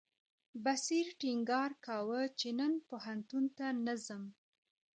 بصیر ټینګار کاوه چې نن پوهنتون ته نه ځم.